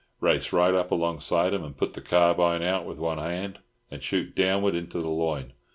"Race right up alongside 'em, and put the carbine out with one hand, and shoot downwards into the loin.